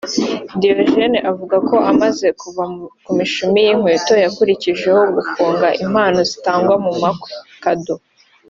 Diogene avuga ko amaze kuva ku mishumi y’inkweto yakurikijeho gufunga impano zitangwa mu bukwe (Cadeaux)